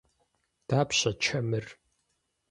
Дапщэ чэмыр?